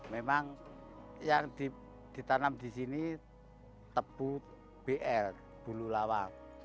memang yang ditanam di sini tebu bl bulu lawak